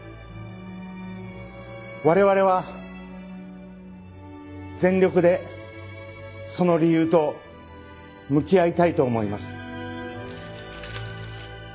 我々は全力でその理由と向き合いたいと思います。